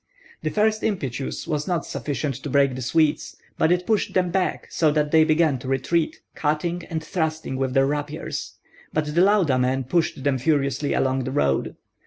The first impetus was not sufficient to break the Swedes, but it pushed them back, so that they began to retreat, cutting and thrusting with their rapiers; but the Lauda men pushed them furiously along the road.